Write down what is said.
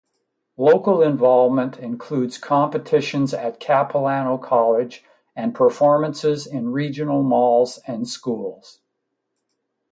Local involvement includes competitions at Capilano College and performances in regional malls and schools.